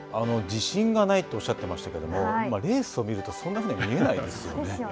自信がないっておっしゃってましたけどレースを見るとそんなふうに見えないですよね。